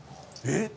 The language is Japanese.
えっ！？